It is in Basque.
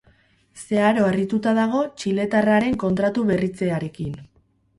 Zeharo harrituta dago txiletarraren kontratu berritzearekin.